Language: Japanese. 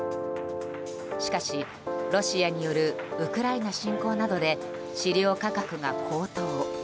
しかし、ロシアによるウクライナ侵攻などで飼料価格が高騰。